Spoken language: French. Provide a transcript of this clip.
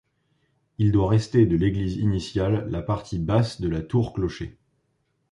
Il doit rester de l'église initiale la partie basse de la tour-clocher.